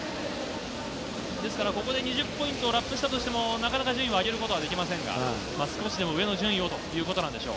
ですからここで２０ポイント上げたとしても、なかなか順位は上げることはできませんが、少しでも上の順位ということなんでしょう。